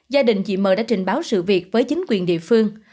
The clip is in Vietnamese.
gia đình chị m đã trình báo sự việc với chính quyền địa phương